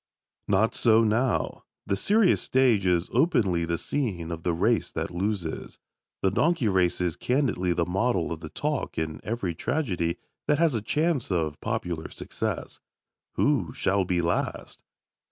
Not so now. The serious stage is openly the scene of the race that loses. The donkey race is candidly the model of the talk in every tragedy that has a chance of popular success. Who shall be last?